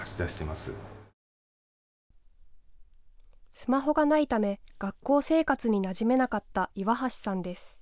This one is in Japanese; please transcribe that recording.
スマホがないため学校生活になじめなかった岩橋さんです。